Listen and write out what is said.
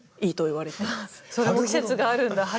それも季節があるんだ春ごろの。